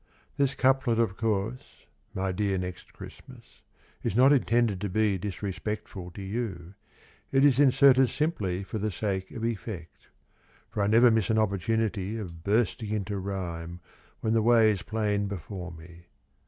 This couplet, of course. My dear Next Christmas, Is not intended to be Disrespectful to you; It is inserted simply For the sake of effect. For I never miss an opportunity Of bursting into rhyme. When the way is plain before me.